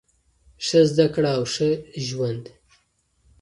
ښه زده کړه او ښه ژوند.